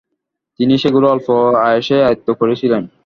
তিনি সেগুলি অল্প আয়াসেই আয়ত্ত করেছিলেন।